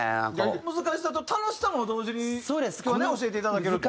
難しさと楽しさも同時に今日はね教えていただけると。